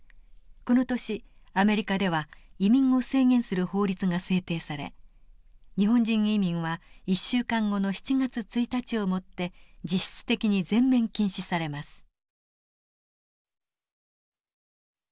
この年アメリカでは移民を制限する法律が制定され日本人移民は１週間後の７月１日をもって実質的に全面禁止されます。